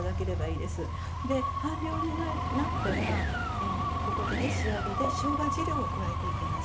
で半量になったらここでね仕上げでしょうが汁を加えていきます。